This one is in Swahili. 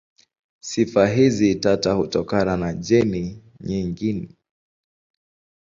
Sifa hizi tata hutokana na jeni nyingi.